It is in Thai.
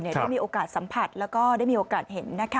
ได้มีโอกาสสัมผัสแล้วก็ได้มีโอกาสเห็นนะคะ